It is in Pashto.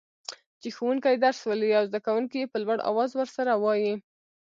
چي ښوونکي درس لولي او زده کوونکي يي په لوړ اواز ورسره وايي.